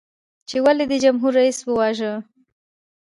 چې ولې دې جمهور رئیس وواژه؟